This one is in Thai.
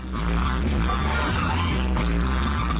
พวกทนโดนเข้าไปบินอ่ะพวกแว่นนี่เรอะไรอ่ะ